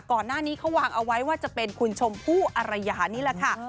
ก่อนหน้านี้เขาวางเอาไว้ว่าจะเป็นคุณชมพู่อรยานี่แหละค่ะ